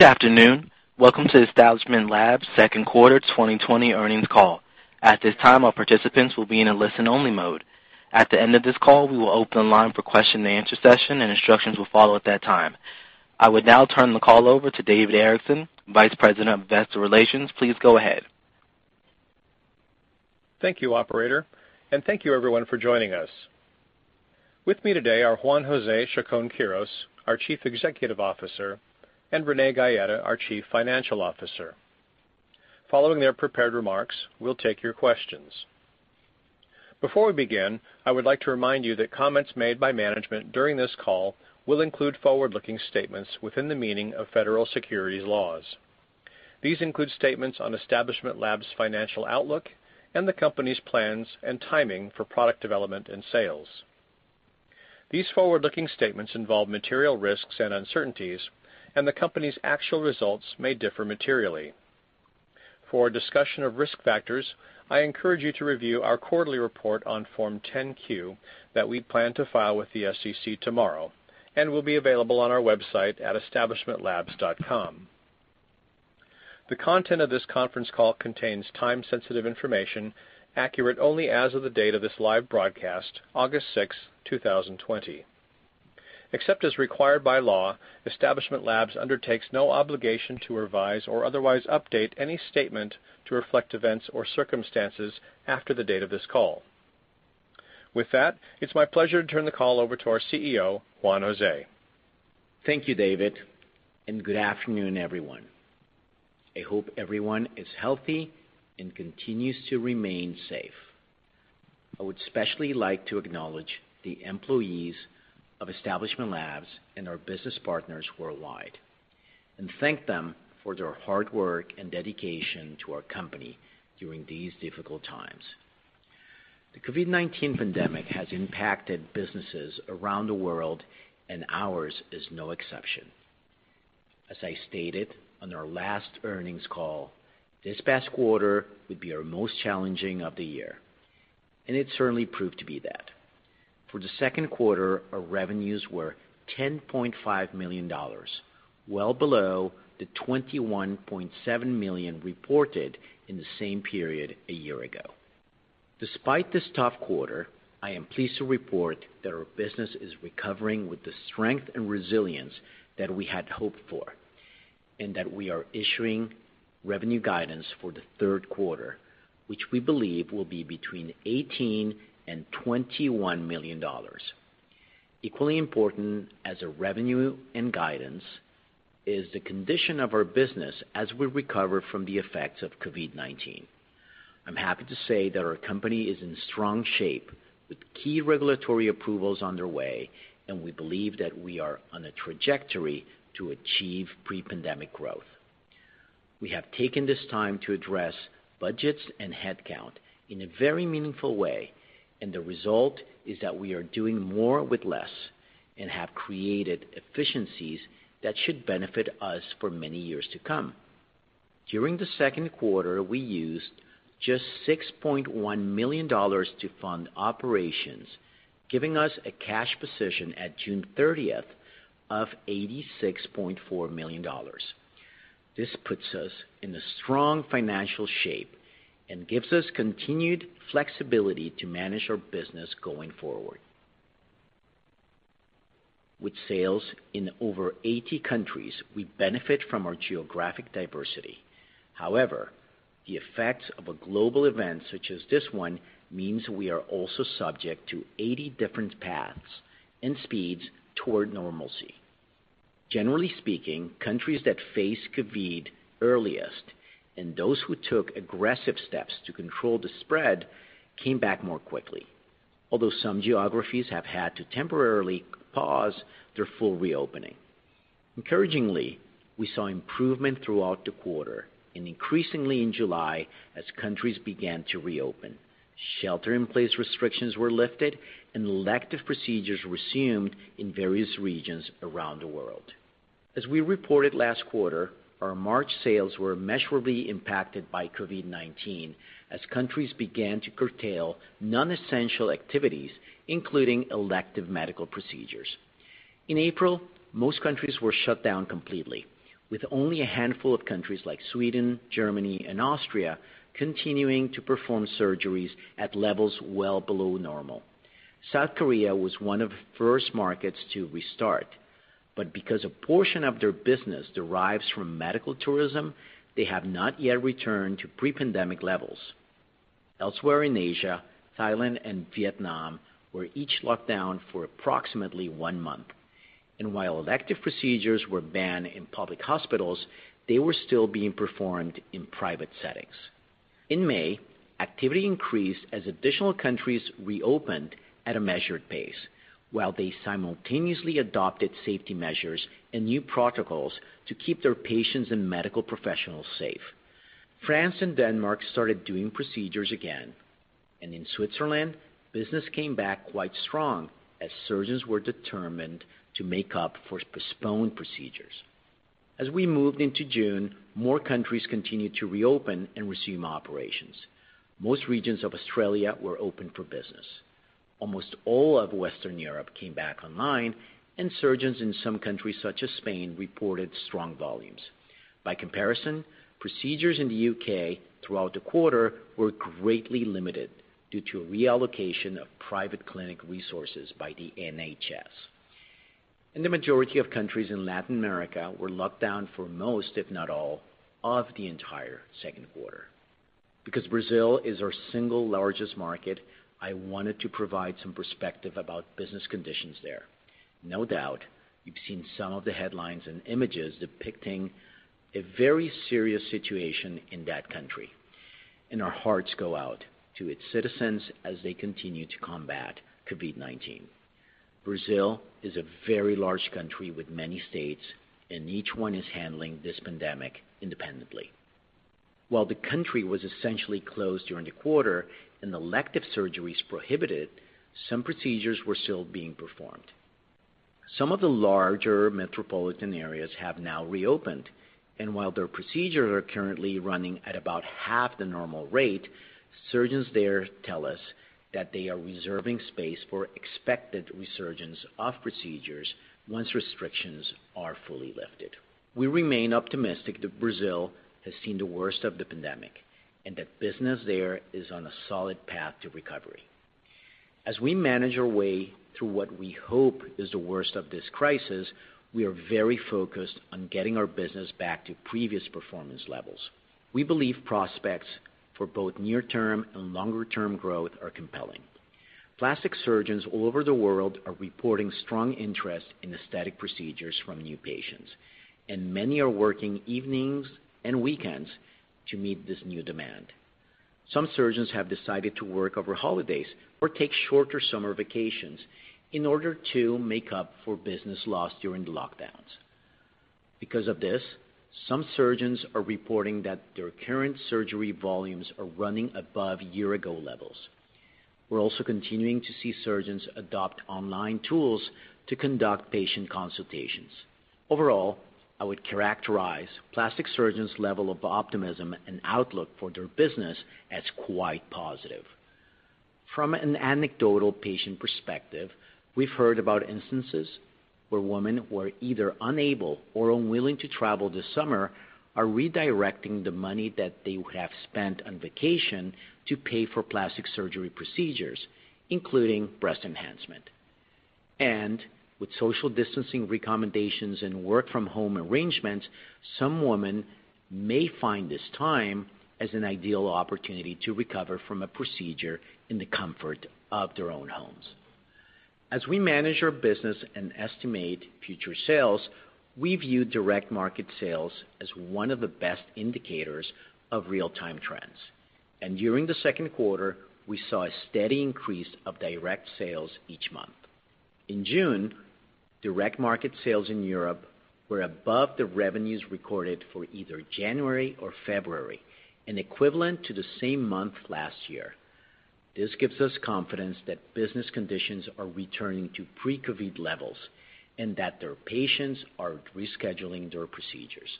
Good afternoon. Welcome to Establishment Labs' second quarter 2020 earnings call. At this time, all participants will be in a listen-only mode. At the end of this call, we will open line for question and answer session and instructions will follow at that time. I would now turn the call over to David Erickson, Vice President of Investor Relations. Please go ahead. Thank you, operator, and thank you everyone for joining us. With me today are Juan José Chacón-Quirós, our Chief Executive Officer, and Renee Gaeta, our Chief Financial Officer. Following their prepared remarks, we'll take your questions. Before we begin, I would like to remind you that comments made by management during this call will include forward-looking statements within the meaning of Federal Securities laws. These include statements on Establishment Labs' financial outlook and the company's plans and timing for product development and sales. These forward-looking statements involve material risks and uncertainties, and the company's actual results may differ materially. For a discussion of risk factors, I encourage you to review our quarterly report on Form 10-Q that we plan to file with the SEC tomorrow and will be available on our website at establishmentlabs.com. The content of this conference call contains time-sensitive information, accurate only as of the date of this live broadcast, August 6th, 2020. Except as required by law, Establishment Labs undertakes no obligation to revise or otherwise update any statement to reflect events or circumstances after the date of this call. With that, it's my pleasure to turn the call over to our CEO, Juan José. Thank you, David, and good afternoon, everyone. I hope everyone is healthy and continues to remain safe. I would especially like to acknowledge the employees of Establishment Labs and our business partners worldwide and thank them for their hard work and dedication to our company during these difficult times. The COVID-19 pandemic has impacted businesses around the world, and ours is no exception. As I stated on our last earnings call, this past quarter would be our most challenging of the year, and it certainly proved to be that. For the second quarter, our revenues were $10.5 million, well below the $21.7 million reported in the same period a year ago. Despite this tough quarter, I am pleased to report that our business is recovering with the strength and resilience that we had hoped for and that we are issuing revenue guidance for the third quarter, which we believe will be between $18 million and $21 million. Equally important as a revenue and guidance is the condition of our business as we recover from the effects of COVID-19. I'm happy to say that our company is in strong shape with key regulatory approvals underway, and we believe that we are on a trajectory to achieve pre-pandemic growth. We have taken this time to address budgets and headcount in a very meaningful way, and the result is that we are doing more with less and have created efficiencies that should benefit us for many years to come. During the second quarter, we used just $6.1 million to fund operations, giving us a cash position at June 30th of $86.4 million. This puts us in a strong financial shape and gives us continued flexibility to manage our business going forward. With sales in over 80 countries, we benefit from our geographic diversity. However, the effects of a global event such as this one means we are also subject to 80 different paths and speeds toward normalcy. Generally speaking, countries that face COVID earliest and those who took aggressive steps to control the spread came back more quickly. Although some geographies have had to temporarily pause their full reopening. Encouragingly, we saw improvement throughout the quarter and increasingly in July as countries began to reopen. Shelter in place restrictions were lifted and elective procedures resumed in various regions around the world. As we reported last quarter, our March sales were measurably impacted by COVID-19 as countries began to curtail non-essential activities, including elective medical procedures. In April, most countries were shut down completely, with only a handful of countries like Sweden, Germany, and Austria continuing to perform surgeries at levels well below normal. South Korea was one of the first markets to restart, but because a portion of their business derives from medical tourism, they have not yet returned to pre-pandemic levels. Elsewhere in Asia, Thailand and Vietnam were each locked down for approximately one month, and while elective procedures were banned in public hospitals, they were still being performed in private settings. In May, activity increased as additional countries reopened at a measured pace while they simultaneously adopted safety measures and new protocols to keep their patients and medical professionals safe. France and Denmark started doing procedures again, and in Switzerland, business came back quite strong as surgeons were determined to make up for postponed procedures. As we moved into June, more countries continued to reopen and resume operations. Most regions of Australia were open for business. Almost all of Western Europe came back online, and surgeons in some countries, such as Spain, reported strong volumes. By comparison, procedures in the U.K. throughout the quarter were greatly limited due to a reallocation of private clinic resources by the NHS. The majority of countries in Latin America were locked down for most, if not all, of the entire second quarter. Because Brazil is our single largest market, I wanted to provide some perspective about business conditions there. No doubt you've seen some of the headlines and images depicting a very serious situation in that country, and our hearts go out to its citizens as they continue to combat COVID-19. Brazil is a very large country with many states, and each one is handling this pandemic independently. While the country was essentially closed during the quarter and elective surgeries prohibited, some procedures were still being performed. Some of the larger metropolitan areas have now reopened, and while their procedures are currently running at about half the normal rate, surgeons there tell us that they are reserving space for expected resurgence of procedures once restrictions are fully lifted. We remain optimistic that Brazil has seen the worst of the pandemic and that business there is on a solid path to recovery. As we manage our way through what we hope is the worst of this crisis, we are very focused on getting our business back to previous performance levels. We believe prospects for both near-term and longer-term growth are compelling. Plastic surgeons all over the world are reporting strong interest in aesthetic procedures from new patients, and many are working evenings and weekends to meet this new demand. Some surgeons have decided to work over holidays or take shorter summer vacations in order to make up for business lost during the lockdowns. Because of this, some surgeons are reporting that their current surgery volumes are running above year-ago levels. We're also continuing to see surgeons adopt online tools to conduct patient consultations. Overall, I would characterize plastic surgeons' level of optimism and outlook for their business as quite positive. From an anecdotal patient perspective, we've heard about instances where women who are either unable or unwilling to travel this summer are redirecting the money that they would have spent on vacation to pay for plastic surgery procedures, including breast enhancement. With social distancing recommendations and work from home arrangements, some women may find this time as an ideal opportunity to recover from a procedure in the comfort of their own homes. As we manage our business and estimate future sales, we view direct market sales as one of the best indicators of real-time trends. During the second quarter, we saw a steady increase of direct sales each month. In June, direct market sales in Europe were above the revenues recorded for either January or February and equivalent to the same month last year. This gives us confidence that business conditions are returning to pre-COVID-19 levels and that their patients are rescheduling their procedures.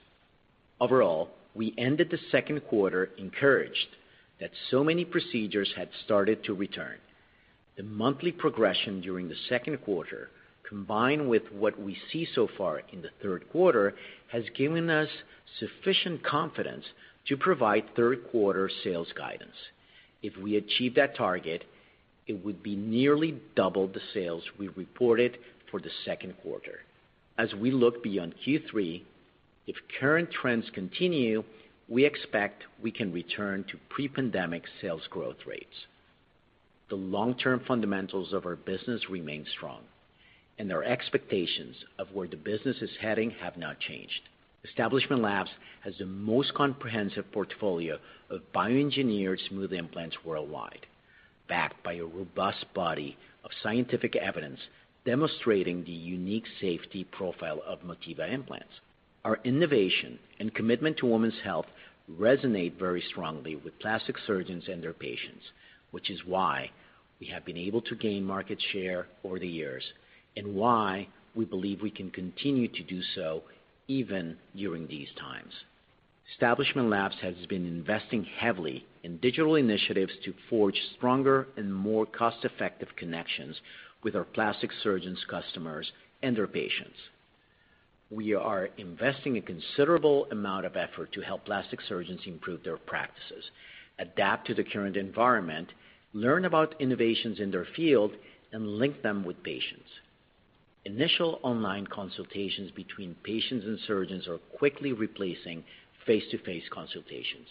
Overall, we ended the second quarter encouraged that so many procedures had started to return. The monthly progression during the second quarter, combined with what we see so far in the third quarter, has given us sufficient confidence to provide third quarter sales guidance. If we achieve that target, it would be nearly double the sales we reported for the second quarter. As we look beyond Q3, if current trends continue, we expect we can return to pre-pandemic sales growth rates. The long-term fundamentals of our business remain strong, and our expectations of where the business is heading have not changed. Establishment Labs has the most comprehensive portfolio of bioengineered smooth implants worldwide, backed by a robust body of scientific evidence demonstrating the unique safety profile of Motiva Implants. Our innovation and commitment to women's health resonate very strongly with plastic surgeons and their patients, which is why we have been able to gain market share over the years and why we believe we can continue to do so even during these times. Establishment Labs has been investing heavily in digital initiatives to forge stronger and more cost-effective connections with our plastic surgeons customers and their patients. We are investing a considerable amount of effort to help plastic surgeons improve their practices, adapt to the current environment, learn about innovations in their field, and link them with patients. Initial online consultations between patients and surgeons are quickly replacing face-to-face consultations,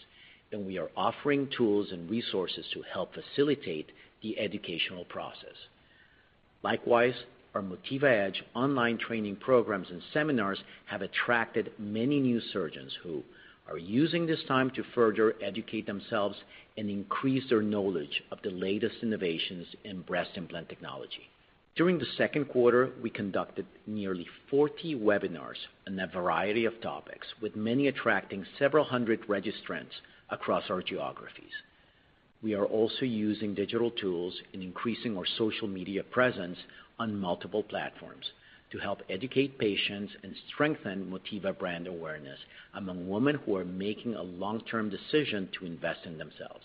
and we are offering tools and resources to help facilitate the educational process. Likewise, our MotivaEdge online training programs and seminars have attracted many new surgeons who are using this time to further educate themselves and increase their knowledge of the latest innovations in breast implant technology. During the second quarter, we conducted nearly 40 webinars on a variety of topics, with many attracting several hundred registrants across our geographies. We are also using digital tools and increasing our social media presence on multiple platforms to help educate patients and strengthen Motiva brand awareness among women who are making a long-term decision to invest in themselves.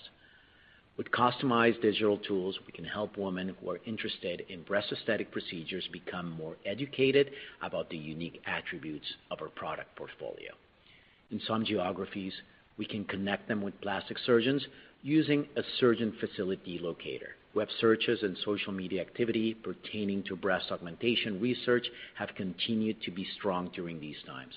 With customized digital tools, we can help women who are interested in breast aesthetic procedures become more educated about the unique attributes of our product portfolio. In some geographies, we can connect them with plastic surgeons using a surgeon facility locator. Web searches and social media activity pertaining to breast augmentation research have continued to be strong during these times.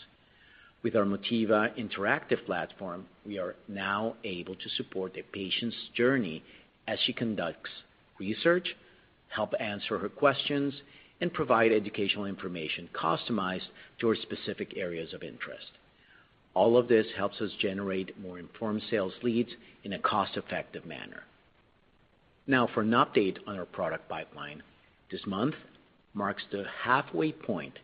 With our MotivaImagine platform, we are now able to support a patient's journey as she conducts research, help answer her questions, and provide educational information customized to her specific areas of interest. All of this helps us generate more informed sales leads in a cost-effective manner. Now for an update on our product pipeline. This month marks the halfway point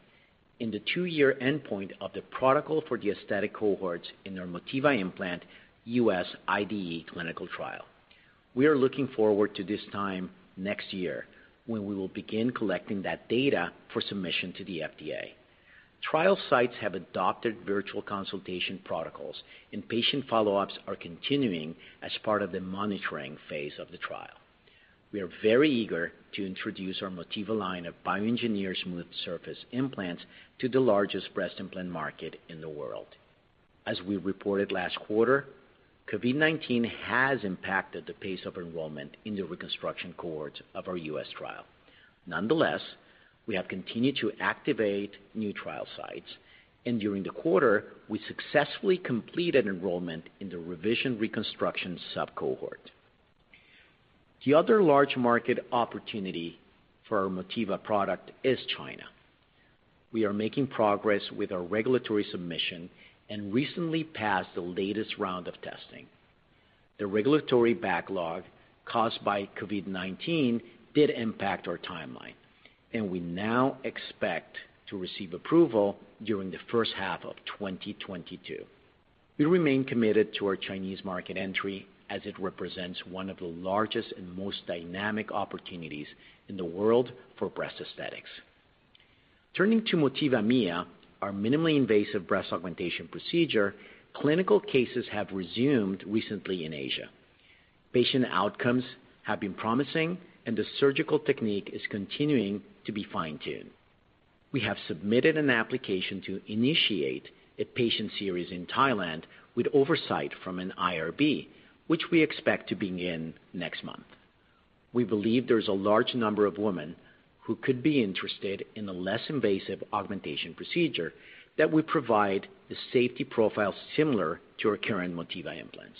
in the two-year endpoint of the protocol for the aesthetic cohorts in our Motiva Implants U.S. IDE clinical trial. We are looking forward to this time next year when we will begin collecting that data for submission to the FDA. Trial sites have adopted virtual consultation protocols, and patient follow-ups are continuing as part of the monitoring phase of the trial. We are very eager to introduce our Motiva line of bioengineered smooth implants to the largest breast implant market in the world. As we reported last quarter, COVID-19 has impacted the pace of enrollment in the reconstruction cohorts of our U.S. trial. Nonetheless, we have continued to activate new trial sites, and during the quarter, we successfully completed enrollment in the revision reconstruction sub-cohort. The other large market opportunity for our Motiva product is China. We are making progress with our regulatory submission and recently passed the latest round of testing. The regulatory backlog caused by COVID-19 did impact our timeline, and we now expect to receive approval during the first half of 2022. We remain committed to our Chinese market entry as it represents one of the largest and most dynamic opportunities in the world for breast aesthetics. Turning to Motiva MIA, our minimally invasive breast augmentation procedure, clinical cases have resumed recently in Asia. Patient outcomes have been promising, and the surgical technique is continuing to be fine-tuned. We have submitted an application to initiate a patient series in Thailand with oversight from an IRB, which we expect to begin next month. We believe there's a large number of women who could be interested in the less invasive augmentation procedure that would provide the safety profile similar to our current Motiva Implants.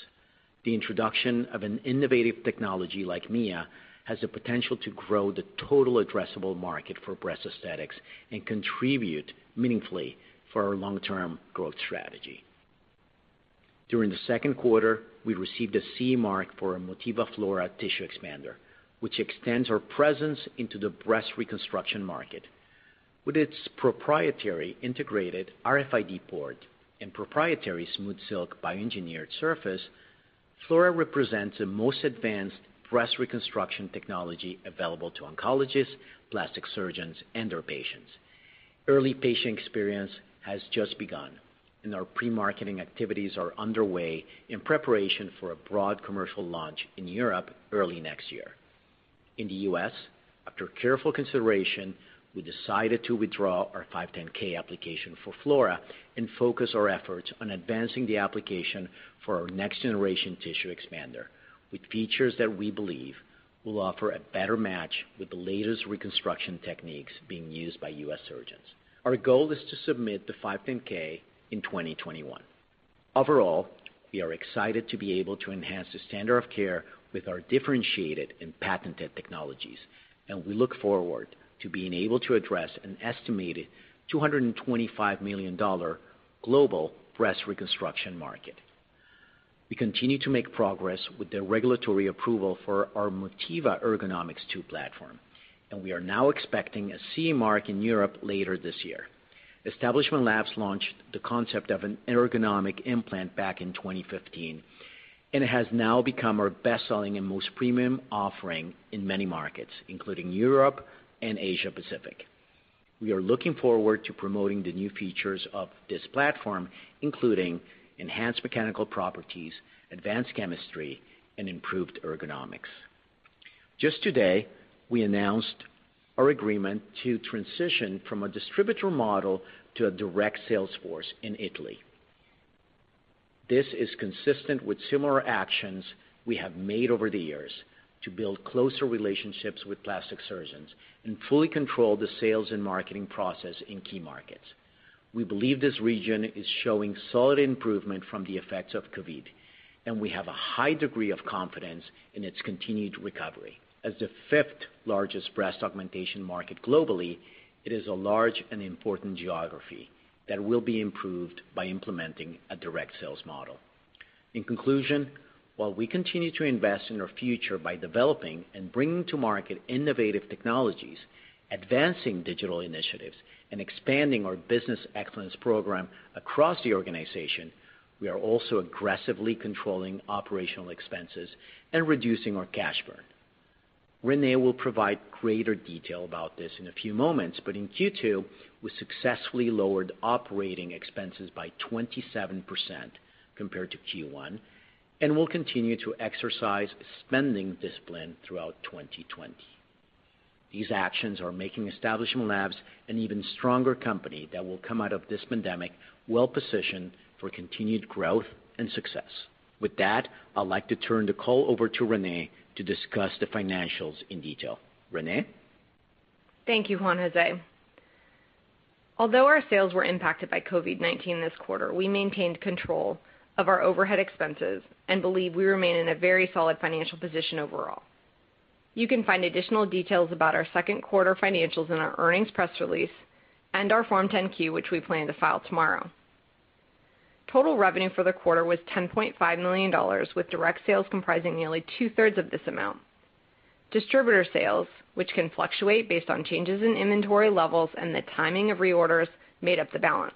The introduction of an innovative technology like MIA has the potential to grow the total addressable market for breast aesthetics and contribute meaningfully for our long-term growth strategy. During the second quarter, we received a CE mark for our Motiva Flora tissue expander, which extends our presence into the breast reconstruction market. With its proprietary integrated RFID port and proprietary SmoothSilk bioengineered surface, Flora represents the most advanced breast reconstruction technology available to oncologists, plastic surgeons, and their patients. Early patient experience has just begun. Our pre-marketing activities are underway in preparation for a broad commercial launch in Europe early next year. In the U.S., after careful consideration, we decided to withdraw our 510(k) application for Flora and focus our efforts on advancing the application for our next-generation tissue expander with features that we believe will offer a better match with the latest reconstruction techniques being used by U.S. surgeons. Our goal is to submit the 510(k) in 2021. Overall, we are excited to be able to enhance the standard of care with our differentiated and patented technologies, we look forward to being able to address an estimated $225 million global breast reconstruction market. We continue to make progress with the regulatory approval for our Motiva Ergonomix2 platform. We are now expecting a CE mark in Europe later this year. Establishment Labs launched the concept of an ergonomic implant back in 2015. It has now become our best-selling and most premium offering in many markets, including Europe and Asia Pacific. We are looking forward to promoting the new features of this platform, including enhanced mechanical properties, advanced chemistry, and improved ergonomics. Just today, we announced our agreement to transition from a distributor model to a direct sales force in Italy. This is consistent with similar actions we have made over the years to build closer relationships with plastic surgeons and fully control the sales and marketing process in key markets. We believe this region is showing solid improvement from the effects of COVID-19, and we have a high degree of confidence in its continued recovery. As the fifth largest breast augmentation market globally, it is a large and important geography that will be improved by implementing a direct sales model. In conclusion, while we continue to invest in our future by developing and bringing to market innovative technologies, advancing digital initiatives, and expanding our business excellence program across the organization, we are also aggressively controlling operational expenses and reducing our cash burn. Renee will provide greater detail about this in a few moments, but in Q2, we successfully lowered operating expenses by 27% compared to Q1, and will continue to exercise spending discipline throughout 2020. These actions are making Establishment Labs an even stronger company that will come out of this pandemic well-positioned for continued growth and success. With that, I'd like to turn the call over to Renee to discuss the financials in detail. Renee? Thank you, Juan José. Although our sales were impacted by COVID-19 this quarter, we maintained control of our overhead expenses and believe we remain in a very solid financial position overall. You can find additional details about our second quarter financials in our earnings press release and our Form 10-Q, which we plan to file tomorrow. Total revenue for the quarter was $10.5 million, with direct sales comprising nearly 2/3 of this amount. Distributor sales, which can fluctuate based on changes in inventory levels and the timing of reorders, made up the balance.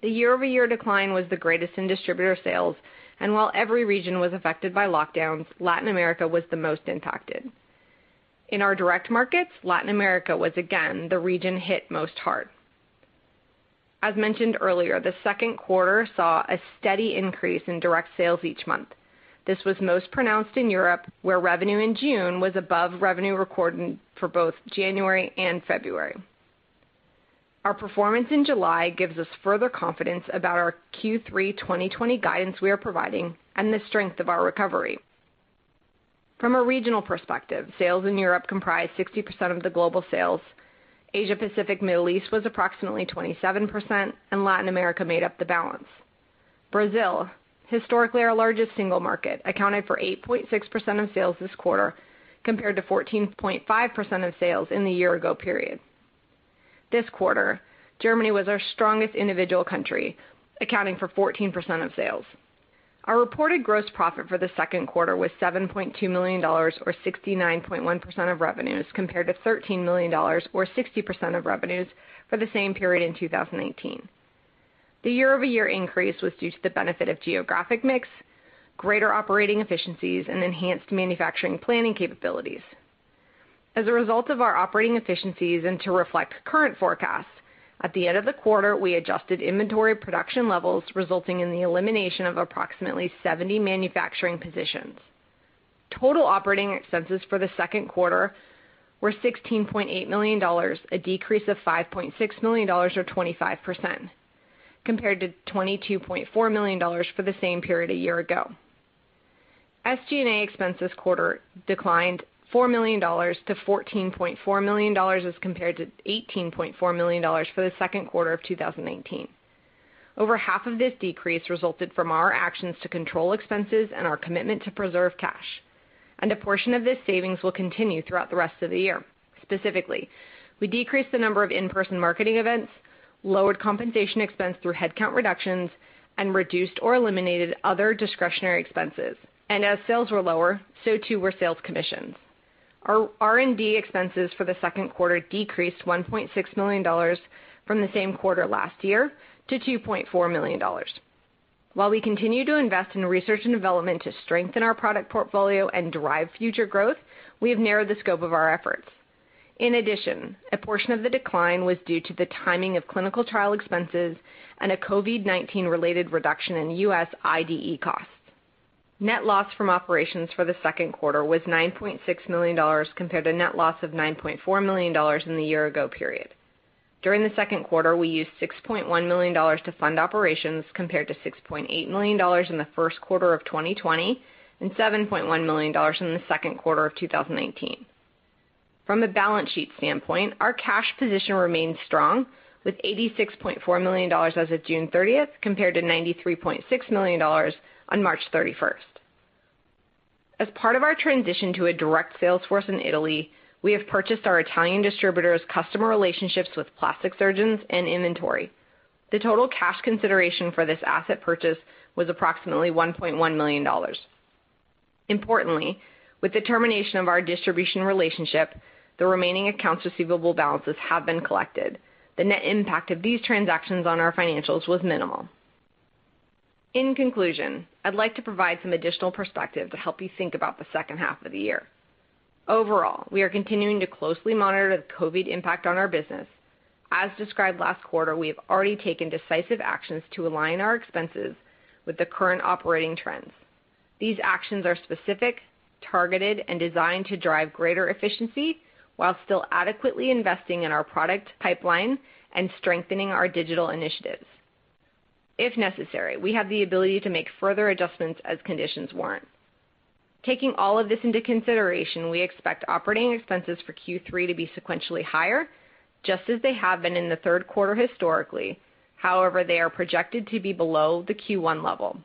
The year-over-year decline was the greatest in distributor sales, and while every region was affected by lockdowns, Latin America was the most impacted. In our direct markets, Latin America was again the region hit most hard. As mentioned earlier, the second quarter saw a steady increase in direct sales each month. This was most pronounced in Europe, where revenue in June was above revenue recorded for both January and February. Our performance in July gives us further confidence about our Q3 2020 guidance we are providing and the strength of our recovery. From a regional perspective, sales in Europe comprised 60% of the global sales. Asia/Pacific Middle East was approximately 27%, and Latin America made up the balance. Brazil, historically our largest single market, accounted for 8.6% of sales this quarter compared to 14.5% of sales in the year ago period. This quarter, Germany was our strongest individual country, accounting for 14% of sales. Our reported gross profit for the second quarter was $7.2 million, or 69.1% of revenues, compared to $13 million, or 60% of revenues, for the same period in 2019. The year-over-year increase was due to the benefit of geographic mix, greater operating efficiencies, and enhanced manufacturing planning capabilities. As a result of our operating efficiencies and to reflect current forecasts, at the end of the quarter, we adjusted inventory production levels, resulting in the elimination of approximately 70 manufacturing positions. Total operating expenses for the second quarter were $16.8 million, a decrease of $5.6 million, or 25%, compared to $22.4 million for the same period a year ago. SG&A expenses this quarter declined $4 million to $14.4 million as compared to $18.4 million for the second quarter of 2019. Over half of this decrease resulted from our actions to control expenses and our commitment to preserve cash, and a portion of this savings will continue throughout the rest of the year. Specifically, we decreased the number of in-person marketing events, lowered compensation expense through headcount reductions, and reduced or eliminated other discretionary expenses. As sales were lower, so too were sales commissions. Our R&D expenses for the second quarter decreased $1.6 million from the same quarter last year to $2.4 million. While we continue to invest in research and development to strengthen our product portfolio and derive future growth, we have narrowed the scope of our efforts. In addition, a portion of the decline was due to the timing of clinical trial expenses and a COVID-19 related reduction in U.S. IDE costs. Net loss from operations for the second quarter was $9.6 million compared to net loss of $9.4 million in the year ago period. During the second quarter, we used $6.1 million to fund operations compared to $6.8 million in the first quarter of 2020 and $7.1 million in the second quarter of 2019. From a balance sheet standpoint, our cash position remains strong, with $86.4 million as of June 30th compared to $93.6 million on March 31st. As part of our transition to a direct sales force in Italy, we have purchased our Italian distributor's customer relationships with plastic surgeons and inventory. The total cash consideration for this asset purchase was approximately $1.1 million. Importantly, with the termination of our distribution relationship, the remaining accounts receivable balances have been collected. The net impact of these transactions on our financials was minimal. In conclusion, I'd like to provide some additional perspective to help you think about the second half of the year. Overall, we are continuing to closely monitor the COVID-19 impact on our business. As described last quarter, we have already taken decisive actions to align our expenses with the current operating trends. These actions are specific, targeted, and designed to drive greater efficiency while still adequately investing in our product pipeline and strengthening our digital initiatives. If necessary, we have the ability to make further adjustments as conditions warrant. Taking all of this into consideration, we expect operating expenses for Q3 to be sequentially higher, just as they have been in the third quarter historically. They are projected to be below the Q1 level.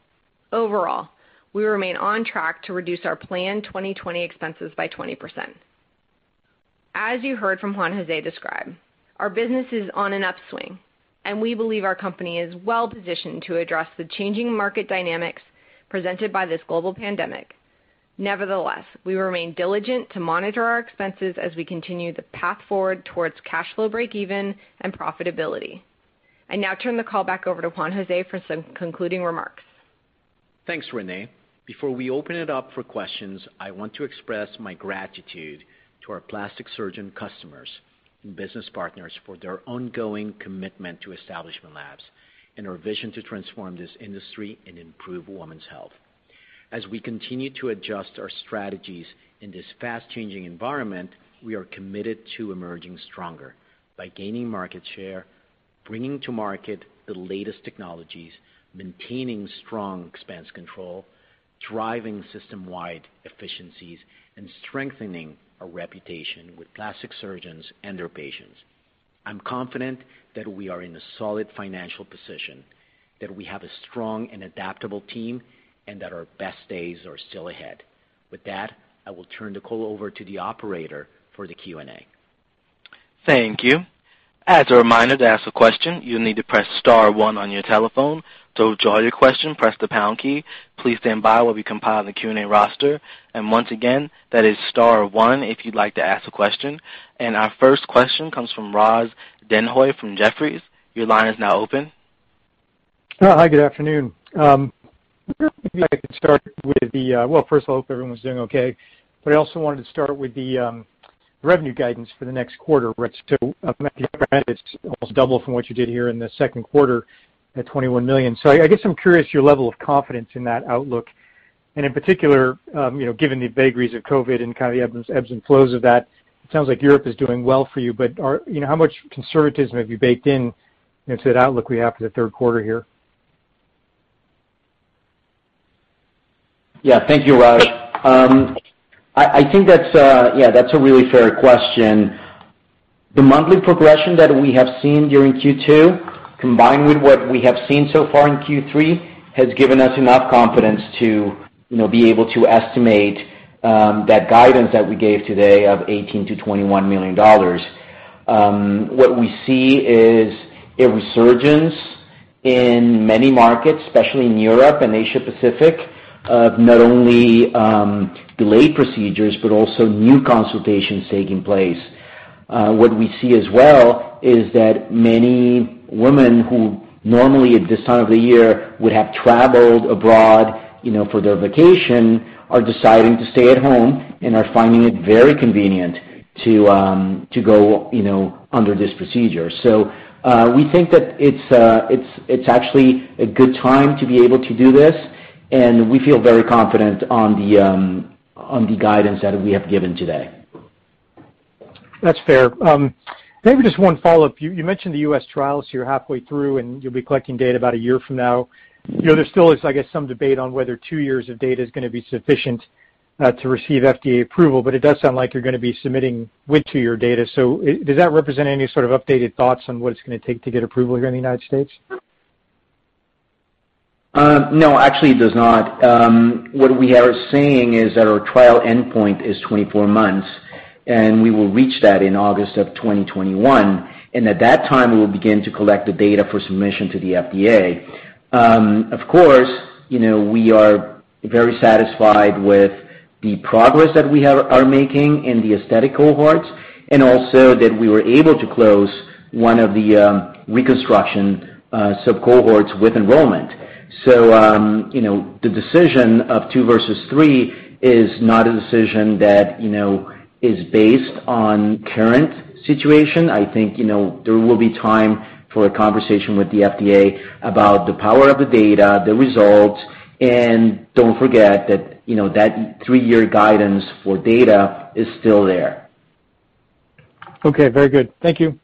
Overall, we remain on track to reduce our planned 2020 expenses by 20%. As you heard from Juan José describe, our business is on an upswing, and we believe our company is well positioned to address the changing market dynamics presented by this global pandemic. Nevertheless, we remain diligent to monitor our expenses as we continue the path forward towards cash flow breakeven and profitability. I now turn the call back over to Juan José for some concluding remarks. Thanks, Renee. Before we open it up for questions, I want to express my gratitude to our plastic surgeon customers and business partners for their ongoing commitment to Establishment Labs and our vision to transform this industry and improve women's health. As we continue to adjust our strategies in this fast-changing environment, we are committed to emerging stronger by gaining market share, bringing to market the latest technologies, maintaining strong expense control, driving system-wide efficiencies, and strengthening our reputation with plastic surgeons and their patients. I'm confident that we are in a solid financial position, that we have a strong and adaptable team, and that our best days are still ahead. With that, I will turn the call over to the operator for the Q&A. Thank you. As a reminder, to ask a question, you need to press star one on your telephone. To withdraw your question, press the pound key. Please stand by while we compile the Q&A roster. Once again, that is star one if you'd like to ask a question. Our first question comes from Raj Denhoy from Jefferies. Your line is now open. Hi, good afternoon. Well, first of all, hope everyone's doing okay, but I also wanted to start with the revenue guidance for the next quarter, so almost double from what you did here in the second quarter at $21 million. I guess I'm curious your level of confidence in that outlook, and in particular, given the vagaries of COVID and the ebbs and flows of that, it sounds like Europe is doing well for you, but how much conservatism have you baked into the outlook we have for the third quarter here? Thank you, Raj. I think that's a really fair question. The monthly progression that we have seen during Q2, combined with what we have seen so far in Q3, has given us enough confidence to be able to estimate that guidance that we gave today of $18 million-$21 million. What we see is a resurgence in many markets, especially in Europe and Asia Pacific, of not only delayed procedures, but also new consultations taking place. What we see as well is that many women who normally at this time of the year would have traveled abroad for their vacation are deciding to stay at home and are finding it very convenient to go under this procedure. We think that it's actually a good time to be able to do this, and we feel very confident on the guidance that we have given today. That's fair. Maybe just one follow-up. You mentioned the U.S. trials, you're halfway through, and you'll be collecting data about a year from now. There still is, I guess, some debate on whether two years of data is going to be sufficient to receive FDA approval, but it does sound like you're going to be submitting mid-year data. Does that represent any sort of updated thoughts on what it's going to take to get approval here in the United States? No, actually, it does not. What we are saying is that our trial endpoint is 24 months, and we will reach that in August of 2021, and at that time, we will begin to collect the data for submission to the FDA. Of course, we are very satisfied with the progress that we are making in the aesthetic cohorts and also that we were able to close one of the reconstruction sub-cohorts with enrollment. The decision of two versus three is not a decision that is based on current situation. I think, there will be time for a conversation with the FDA about the power of the data, the results, and don't forget that that three-year guidance for data is still there. Okay, very good. Thank you.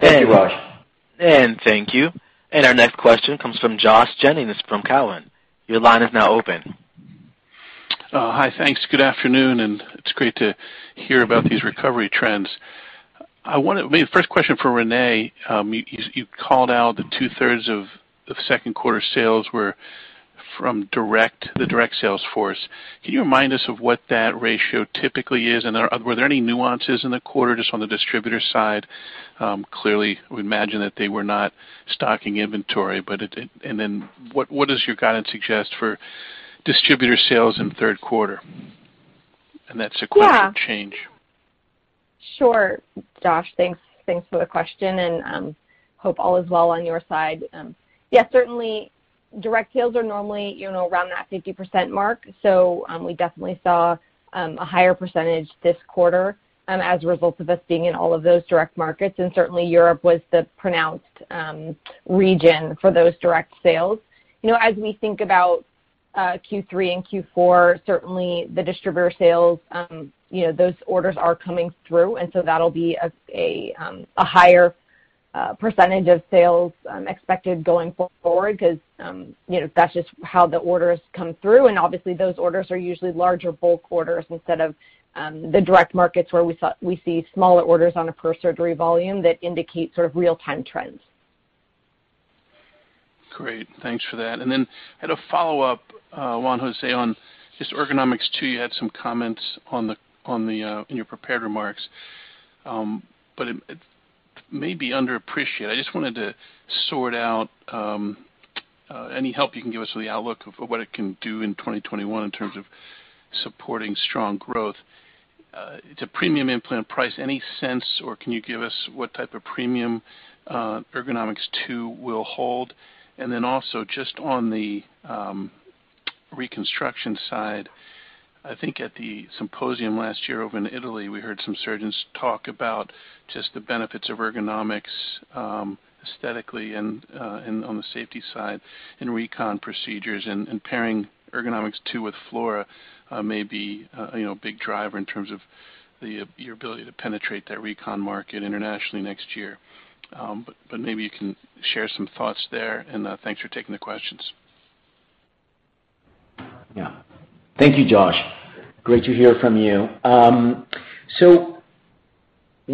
Thank you, Raj. Thank you. Our next question comes from Josh Jennings from Cowen. Your line is now open. Hi. Thanks. Good afternoon. It's great to hear about these recovery trends. First question for Renee. You called out that 2/3 of second quarter sales were from the direct sales force. Can you remind us of what that ratio typically is, and were there any nuances in the quarter just on the distributor side? Clearly, we imagine that they were not stocking inventory. What does your guidance suggest for distributor sales in the third quarter? That's a quarter change. Sure, Josh. Thanks for the question, and hope all is well on your side. Yeah, certainly, direct sales are normally around that 50% mark. We definitely saw a higher percentage this quarter as a result of us being in all of those direct markets, and certainly Europe was the pronounced region for those direct sales. We think about Q3 and Q4, certainly the distributor sales, those orders are coming through, and so that'll be a higher percentage of sales expected going forward because that's just how the orders come through, and obviously, those orders are usually larger bulk orders instead of the direct markets where we see smaller orders on a per surgery volume that indicate sort of real-time trends. Great. Thanks for that. Then I had a follow-up, Juan José, on just Ergonomix2. You had some comments in your prepared remarks, but it may be underappreciated. I just wanted to sort out any help you can give us on the outlook of what it can do in 2021 in terms of supporting strong growth. It's a premium implant price. Any sense or can you give us what type of premium Ergonomix2 will hold? Then also just on the reconstruction side, I think at the symposium last year over in Italy, we heard some surgeons talk about just the benefits of Ergonomix, aesthetically and on the safety side in recon procedures and pairing Ergonomix2 with Flora may be a big driver in terms of your ability to penetrate that recon market internationally next year. Maybe you can share some thoughts there and thanks for taking the questions. Thank you, Josh. Great to hear from you.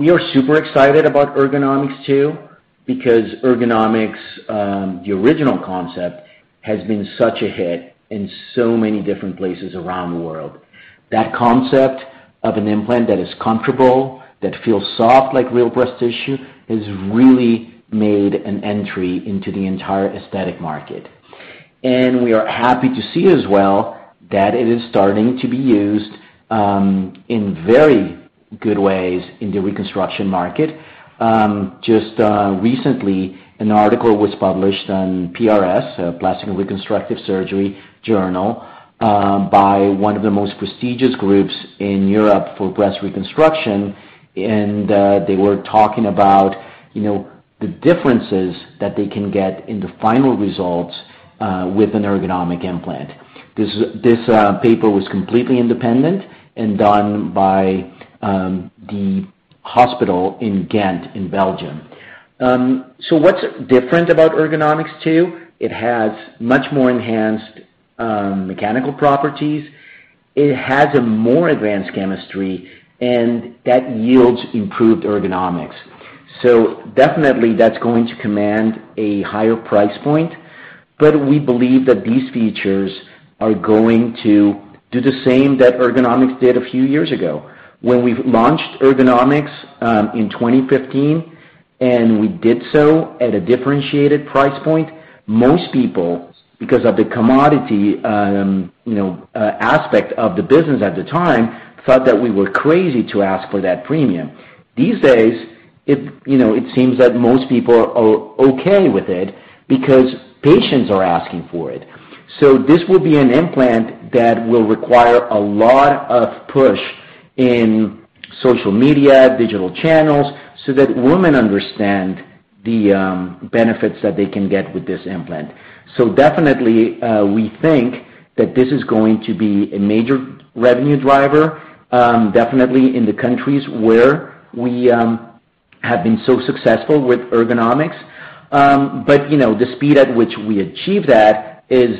We are super excited about Ergonomix2 because Ergonomix, the original concept, has been such a hit in so many different places around the world. That concept of an implant that is comfortable, that feels soft like real breast tissue has really made an entry into the entire aesthetic market. We are happy to see as well that it is starting to be used in very good ways in the reconstruction market. Just recently, an article was published on PRS, a Plastic and Reconstructive Surgery journal, by one of the most prestigious groups in Europe for breast reconstruction. They were talking about the differences that they can get in the final results with an Ergonomix implant. This paper was completely independent and done by the hospital in Ghent in Belgium. What's different about Ergonomix2? It has much more enhanced mechanical properties. It has a more advanced chemistry and that yields improved ergonomics. Definitely that's going to command a higher price point, but we believe that these features are going to do the same that Ergonomix did a few years ago. When we launched Ergonomix in 2015, and we did so at a differentiated price point, most people, because of the commodity aspect of the business at the time, thought that we were crazy to ask for that premium. These days, it seems that most people are okay with it because patients are asking for it. This will be an implant that will require a lot of push in social media, digital channels so that women understand the benefits that they can get with this implant. Definitely, we think that this is going to be a major revenue driver, definitely in the countries where we have been so successful with Ergonomix. The speed at which we achieve that is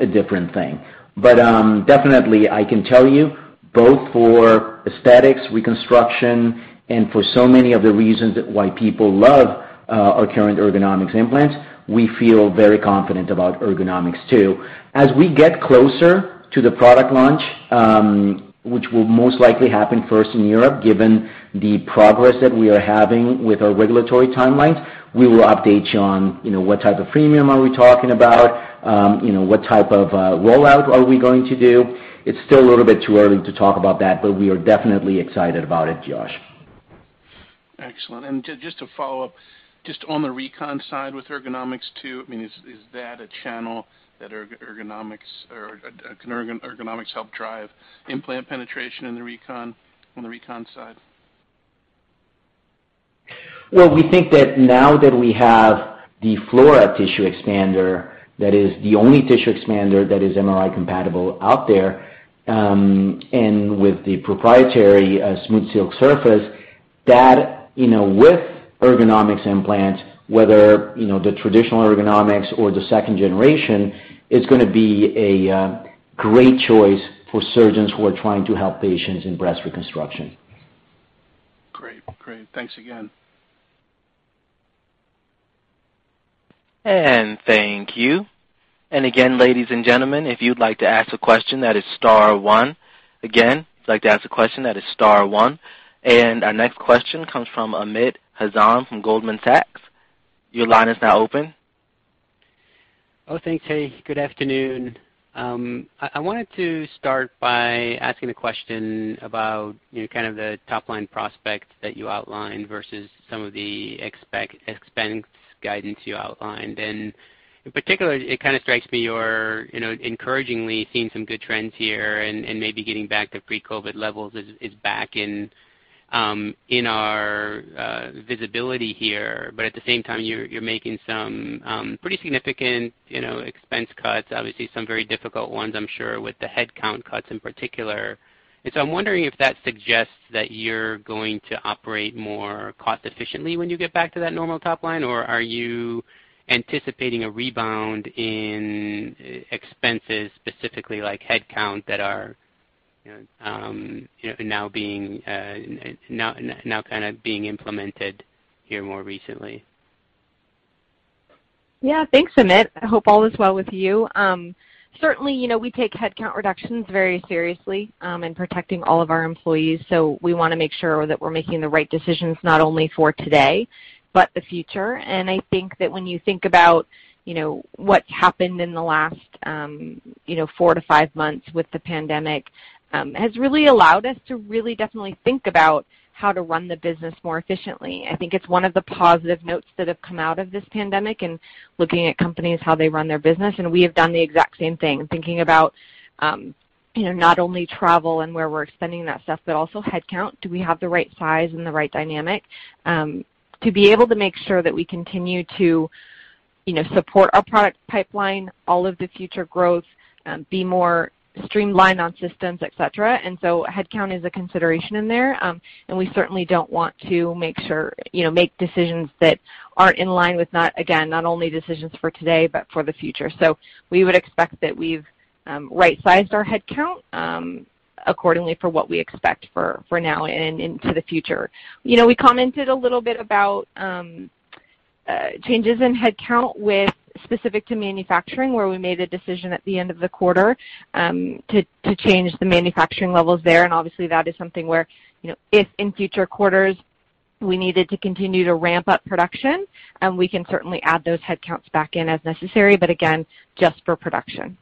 a different thing. Definitely I can tell you both for aesthetics reconstruction and for so many of the reasons why people love our current Ergonomix implants, we feel very confident about Ergonomix2. As we get closer to the product launch, which will most likely happen first in Europe given the progress that we are having with our regulatory timelines, we will update you on what type of premium are we talking about, what type of rollout are we going to do. It's still a little bit too early to talk about that, but we are definitely excited about it, Josh. Excellent. Just to follow up, just on the recon side with Ergonomix2, is that a channel that can Ergonomix help drive implant penetration on the recon side? Well, we think that now that we have the Flora tissue expander, that is the only tissue expander that is MRI compatible out there. With the proprietary SmoothSilk surface that with Ergonomix implants, whether the traditional Ergonomix or the second generation, is going to be a great choice for surgeons who are trying to help patients in breast reconstruction. Great. Thanks again. Thank you. Again, ladies and gentlemen, if you'd like to ask a question that is star one. Again, if you'd like to ask a question that is star one. Our next question comes from Amit Hazan from Goldman Sachs. Your line is now open. Oh, thanks. Hey, good afternoon. I wanted to start by asking a question about kind of the top-line prospects that you outlined versus some of the expense guidance you outlined. In particular, it kind of strikes me you're encouragingly seeing some good trends here and maybe getting back to pre-COVID-19 levels is back in our visibility here. At the same time, you're making some pretty significant expense cuts, obviously some very difficult ones, I'm sure with the headcount cuts in particular. I'm wondering if that suggests that you're going to operate more cost efficiently when you get back to that normal top line, or are you anticipating a rebound in expenses specifically like headcount that are now kind of being implemented here more recently? Yeah. Thanks, Amit. I hope all is well with you. Certainly, we take headcount reductions very seriously in protecting all of our employees. We want to make sure that we're making the right decisions not only for today, but the future. I think that when you think about what happened in the last four to five months with the pandemic, has really allowed us to really definitely think about how to run the business more efficiently. I think it's one of the positive notes that have come out of this pandemic and looking at companies, how they run their business, and we have done the exact same thing. Thinking about, not only travel and where we're spending that stuff, but also headcount. Do we have the right size and the right dynamic to be able to make sure that we continue to support our product pipeline, all of the future growth, be more streamlined on systems, et cetera. Headcount is a consideration in there. We certainly don't want to make decisions that aren't in line with not only decisions for today, but for the future. We would expect that we've right-sized our headcount accordingly for what we expect for now and into the future. We commented a little bit about changes in headcount with specific to manufacturing, where we made a decision at the end of the quarter to change the manufacturing levels there, and obviously that is something where, if in future quarters we needed to continue to ramp up production, we can certainly add those headcounts back in as necessary. But again, just for production.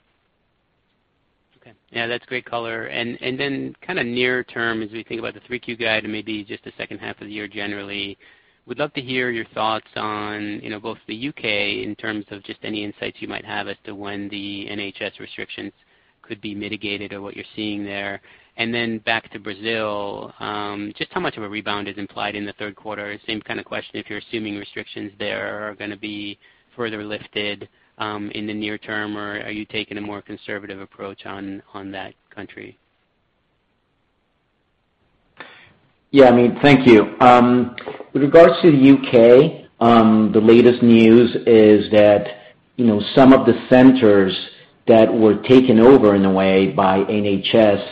Okay. Yeah, that's great color. Kind of near term, as we think about the 3Q guide and maybe just the second half of the year generally, would love to hear your thoughts on both the U.K. in terms of just any insights you might have as to when the NHS restrictions could be mitigated or what you're seeing there. Back to Brazil, just how much of a rebound is implied in the third quarter? Same kind of question if you're assuming restrictions there are going to be further lifted, in the near term or are you taking a more conservative approach on that country? Yeah, Amit. Thank you. With regards to the U.K., the latest news is that some of the centers that were taken over in a way by NHS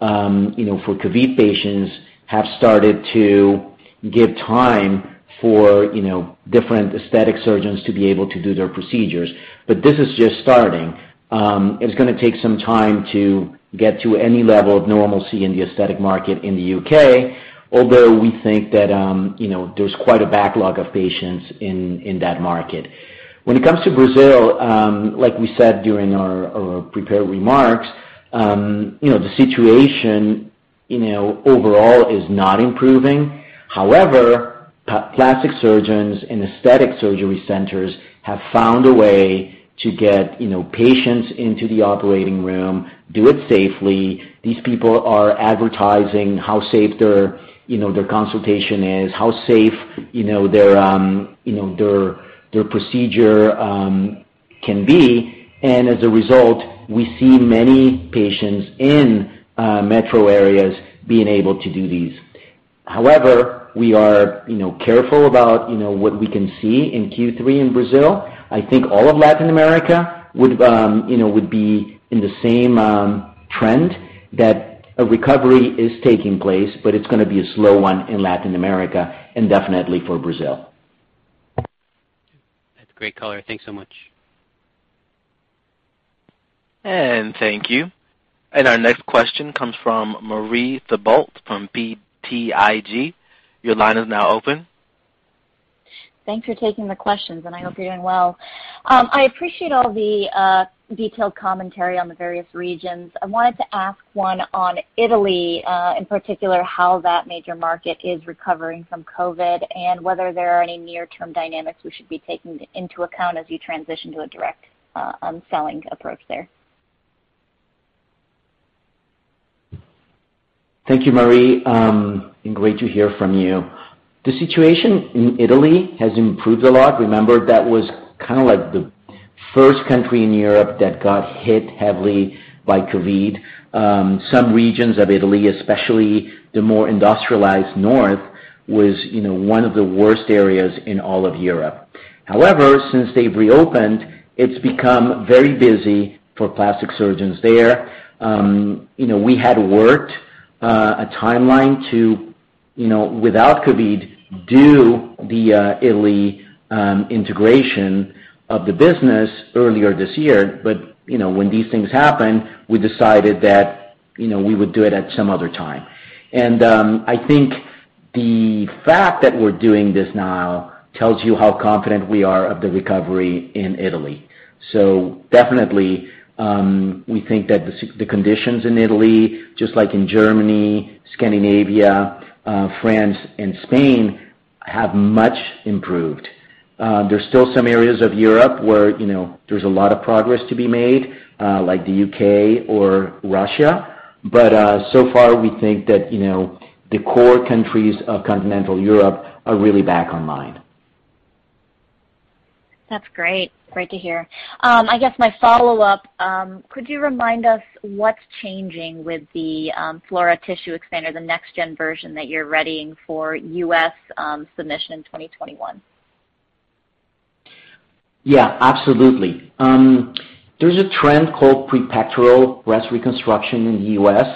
for COVID patients have started to give time for different aesthetic surgeons to be able to do their procedures. This is just starting. It's going to take some time to get to any level of normalcy in the aesthetic market in the U.K., although we think that there's quite a backlog of patients in that market. When it comes to Brazil, like we said during our prepared remarks, the situation overall is not improving. However, plastic surgeons and aesthetic surgery centers have found a way to get patients into the operating room, do it safely. These people are advertising how safe their consultation is, how safe their procedure can be. As a result, we see many patients in metro areas being able to do these. However, we are careful about what we can see in Q3 in Brazil. I think all of Latin America would be in the same trend that a recovery is taking place, but it's going to be a slow one in Latin America and definitely for Brazil. That's great color. Thanks so much. Thank you. Our next question comes from Marie Thibault from BTIG. Your line is now open. Thanks for taking the questions. I hope you're doing well. I appreciate all the detailed commentary on the various regions. I wanted to ask one on Italy, in particular, how that major market is recovering from COVID-19 and whether there are any near-term dynamics we should be taking into account as you transition to a direct selling approach there. Thank you, Marie. Great to hear from you. The situation in Italy has improved a lot. Remember that was kind of like the first country in Europe that got hit heavily by COVID. Some regions of Italy, especially the more industrialized north, was one of the worst areas in all of Europe. However, since they've reopened, it's become very busy for plastic surgeons there. We had worked a timeline to, without COVID, do the Italy integration of the business earlier this year. When these things happen, we decided that we would do it at some other time. I think the fact that we're doing this now tells you how confident we are of the recovery in Italy. Definitely, we think that the conditions in Italy, just like in Germany, Scandinavia, France, and Spain, have much improved. There's still some areas of Europe where there's a lot of progress to be made, like the U.K. or Russia. So far, we think that the core countries of continental Europe are really back online. That's great. Great to hear. I guess my follow-up, could you remind us what's changing with the Flora tissue expander, the next gen version that you're readying for U.S. submission in 2021? Yeah, absolutely. There's a trend called prepectoral breast reconstruction in the U.S.,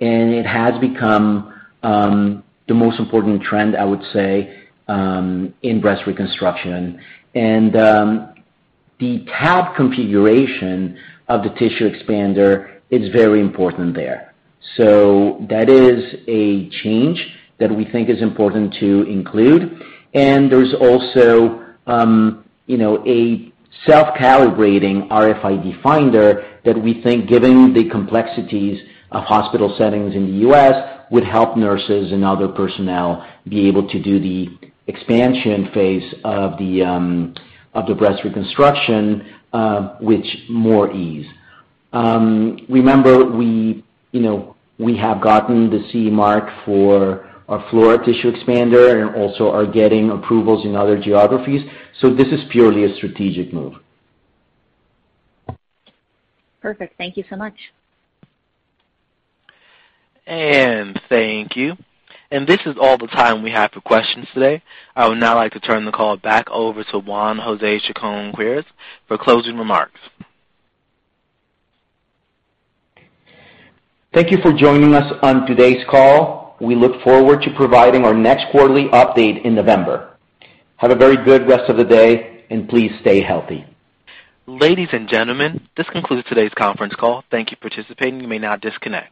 and it has become the most important trend, I would say, in breast reconstruction. The tab configuration of the tissue expander is very important there. That is a change that we think is important to include. There's also a self-calibrating RFID finder that we think giving the complexities of hospital settings in the U.S. would help nurses and other personnel be able to do the expansion phase of the breast reconstruction with more ease. Remember we have gotten the CE mark for our Flora tissue expander and also are getting approvals in other geographies. This is purely a strategic move. Perfect. Thank you so much. Thank you. This is all the time we have for questions today. I would now like to turn the call back over to Juan José Chacón-Quirós for closing remarks. Thank you for joining us on today's call. We look forward to providing our next quarterly update in November. Have a very good rest of the day. Please stay healthy. Ladies and gentlemen, this concludes today's conference call. Thank you for participating. You may now disconnect.